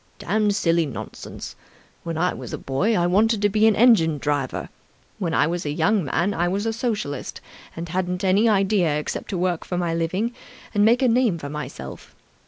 "Damned silly nonsense! When I was a boy, I wanted to be an engine driver. When I was a young man, I was a Socialist and hadn't any idea except to work for my living and make a name for myself.